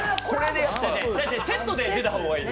セットで出た方がいい。